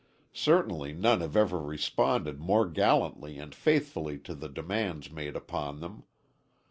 Certainly none have ever responded more gallantly and faithfully to the demands made upon them.